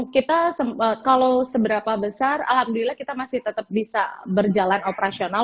kita kalau seberapa besar alhamdulillah kita masih tetap bisa berjalan operasional